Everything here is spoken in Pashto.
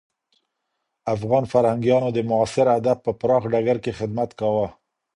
افغان فرهنګيانو د معاصر ادب په پراخ ډګر کي خدمت کاوه.